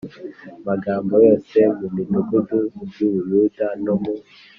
magambo yose mu midugudu y u Buyuda no mu